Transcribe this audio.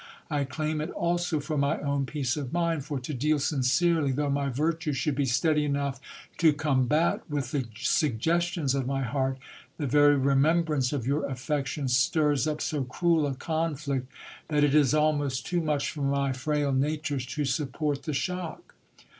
I claim it also for my own peace of mind : for to deal sincerely, though my virtue should be steady enough to combat with the sug ons of my heart, the very remembrance of your affection stirs up so cruel a conf ict, that it is almost too much for my frail nature to support the shock.